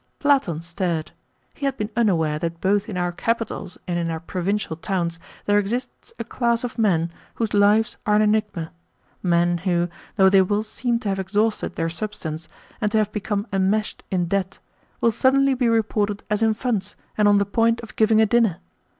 Platon stared. He had been unaware that both in our capitals and in our provincial towns there exists a class of men whose lives are an enigma men who, though they will seem to have exhausted their substance, and to have become enmeshed in debt, will suddenly be reported as in funds, and on the point of giving a dinner!